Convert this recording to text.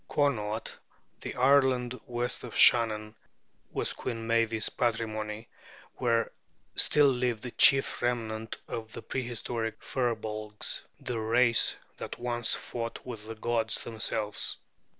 Connaught, the Ireland west of the Shannon, was Queen Meave's patrimony, where still lived the chief remnant of the prehistoric Firbolgs, the race that once fought with the gods themselves.